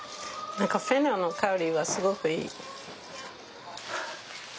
何かフェンネルの香りはすごくいい。